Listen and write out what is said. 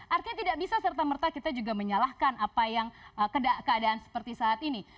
artinya tidak bisa serta merta kita juga menyalahkan apa yang keadaan seperti saat ini